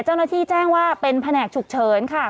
เจ้าหน้าที่แจ้งว่าเป็นแผนกฉุกเฉินค่ะ